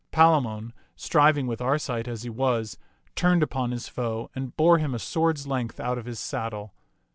Palamon, striving with Arcite as he was, turned upon his foe and bore him a sword's length out of his saddle.